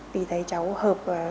vì thấy cháu hợp và tiến triển